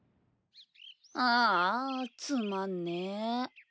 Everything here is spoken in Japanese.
あぁあつまんねぇ。